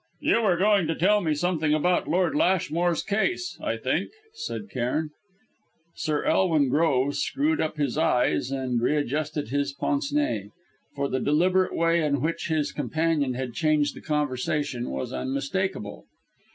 "You were going to tell me something about Lord Lashmore's case, I think?" said Cairn. Sir Elwin Groves screwed up his eyes and readjusted his pince nez, for the deliberate way in which his companion had changed the conversation was unmistakable.